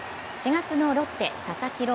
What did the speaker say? ４月のロッテ・佐々木朗